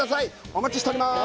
お待ちしております